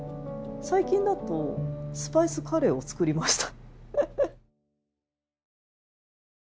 最近だとスパイスカレーを作りました。